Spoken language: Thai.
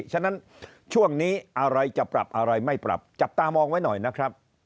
ฉะนั้นช่วงนี้อะไรจะปรับอะไรไม่ปรับจับตามองไว้หน่อยนะครับ